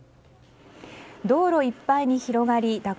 道路いっぱいに広がり蛇行